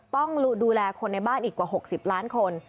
ต้องดูแลคนในบ้านอีกกว่า๖๐ล้านคน